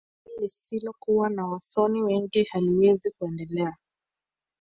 taifa lisilokuwa na wasomi wengi haliwezi kuendelea